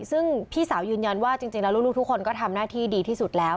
ซึ่งพี่สาวยืนยันว่าจริงแล้วลูกทุกคนก็ทำหน้าที่ดีที่สุดแล้ว